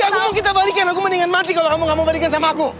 ya kamu kita balikin aku mendingan mati kalau kamu gak mau balikin sama aku